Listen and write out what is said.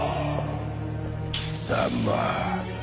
貴様。